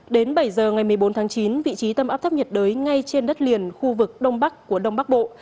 đến bảy giờ ngày một mươi bốn tháng chín vị trí tâm áp thấp nhiệt đới ngay trên đất liền khu vực đông bắc của đông bắc bộ